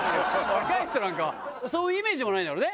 若い人なんかはそういうイメージもないんだろうね。